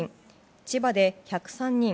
千葉で１０３人